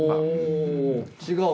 違う？